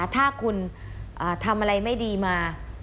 ถ้าคุณทำอะไรไม่ดีมา